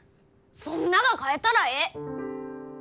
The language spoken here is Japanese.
そんなが変えたらえい！